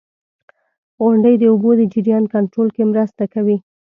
• غونډۍ د اوبو د جریان کنټرول کې مرسته کوي.